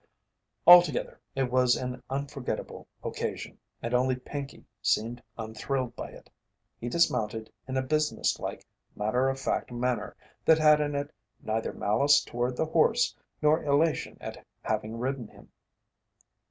Altogether it was an unforgettable occasion, and only Pinkey seemed unthrilled by it he dismounted in a businesslike, matter of fact manner that had in it neither malice toward the horse nor elation at having ridden him.